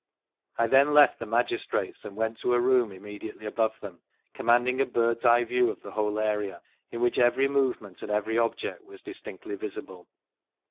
I then left the magistrates and went to a room immediately above them, commanding a bird's eye view of the whole area, in which every movement and every object was distinctly visible.